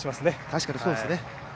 確かにそうですね。